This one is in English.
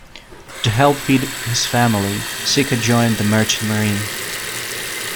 To help feed his family, Sika joined the Merchant Marine.